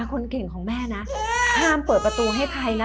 คนเก่งของแม่นะห้ามเปิดประตูให้ใครนะ